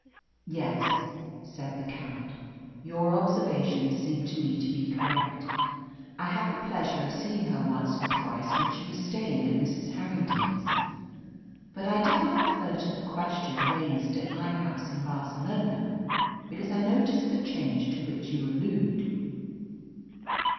"Yes," said the Count, "your observations seem to me to be correct. I had the pleasure of seeing her once or twice when she was staying at Mrs. Harrington's; but I did not refer to the question raised at my house in Barcelona, because I noticed the change to which you allude.